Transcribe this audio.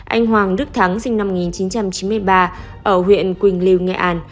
anh hoàng đức thắng sinh năm một nghìn chín trăm chín mươi ba ở huyện quỳnh lưu nghệ an